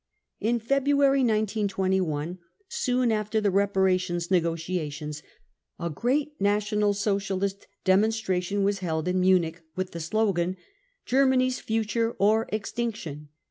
In February 1921, soon after the reparations negotiations, a great National Socialist demonstration was held in Munich with the slogan " Germany's future or extinction.